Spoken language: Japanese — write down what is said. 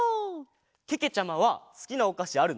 けけちゃまはすきなおかしあるの？